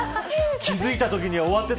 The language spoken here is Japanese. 気付いたときには終わっていた。